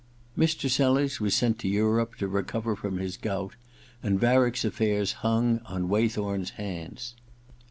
••.••• Mr. Sellers was sent to Europe to recover from his gout, and Vmck's affairs hung on Waythorn's hands.